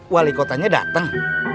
wali kotanya datang